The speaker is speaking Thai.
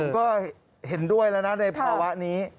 ผมก็เห็นด้วยแล้วนะในประวัตินี้